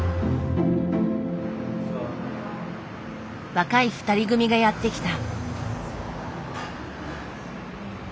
若い２人組がやって来た。